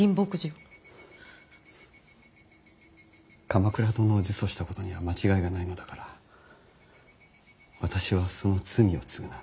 鎌倉殿を呪詛したことには間違いがないのだから私はその罪を償う。